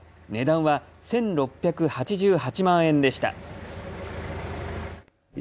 値段は１６８８万円でした。